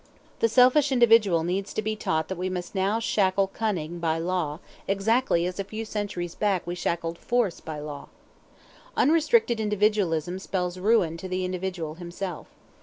The selfish individual needs to be taught that we must now shackle cunning by law exactly as a few centuries back we shackled force by law. Unrestricted individualism spells ruin to the individual himself.